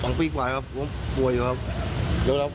โห๒ปีกว่าครับผมป่วยอยู่ครับ